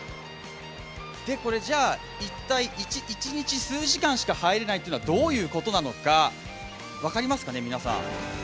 一体、一日数時間しか入れないというのはどういうことなのか分かりますかね、皆さん。